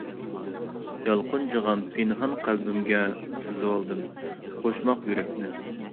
يالقۇنجىغان پىنھان قەلبىمگە، سىزىۋالدىم قوشماق يۈرەكنى.